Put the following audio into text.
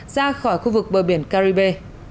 ra khỏi khu vực bờ biển caribe